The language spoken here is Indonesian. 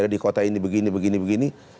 ada di kota ini begini begini begini